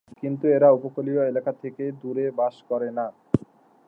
কিন্তু এরা উপকূলীয় এলাকা থেকে দূরে বাস করে না।